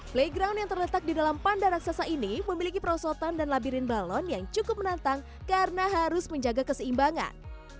playground yang terletak di dalam panda raksasa ini memiliki perosotan dan labirin balon yang cukup menantang karena harus menjaga keseimbangan